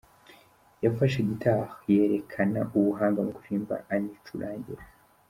Yafashe ‘guitar’ yerekana ubuhanga mu kuririmba anicurangira.